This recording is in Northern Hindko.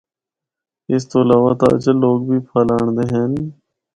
اس تو علاوہ تاجر لوگ بھی پھل آنڑدے ہن۔